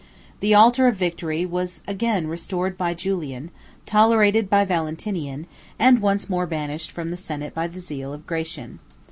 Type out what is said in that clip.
The altar of Victory was again restored by Julian, tolerated by Valentinian, and once more banished from the senate by the zeal of Gratian.